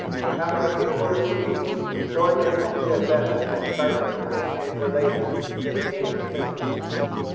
After a few words to each, exhorting them to do their best in the sight of the queen and her ladies, the king dismissed them.